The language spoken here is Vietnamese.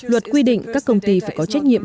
luật quy định các công ty phải có trách nhiệm